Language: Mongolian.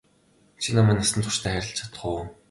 Чи намайг насан туршдаа хайрлаж чадах уу?